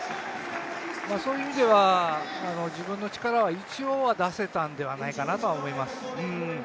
そういう意味では自分の力は一応出せたんではないかと思います。